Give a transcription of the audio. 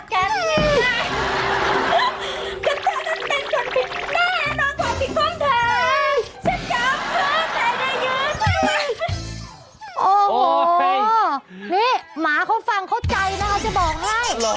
โอ้โหนี่หมาเขาฟังเข้าใจนะคะจะบอกให้